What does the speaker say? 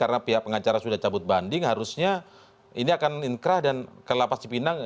karena pihak pengacara sudah cabut banding harusnya ini akan inkrah dan ke lapas dipindang